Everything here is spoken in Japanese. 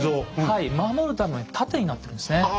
はい守るために盾になってるんですね。